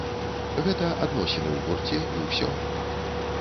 Гэта адносіны ў гурце, і ўсё.